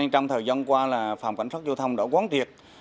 trong thời gian qua phòng cảnh sát giao thông đã quán triệt